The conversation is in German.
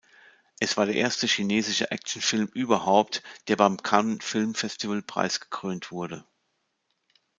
Es war der erste chinesische Actionfilm überhaupt, der beim Cannes Film Festival preisgekrönt wurde.